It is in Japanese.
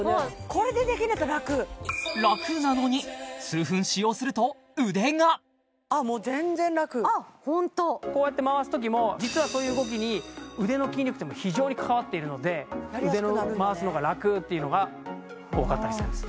これでできんのやったらラクラクなのに数分使用すると腕があっホントこうやって回す時も実はそういう動きに腕の筋肉って非常に関わっているので腕を回すのがラクっていうのが多かったりするんです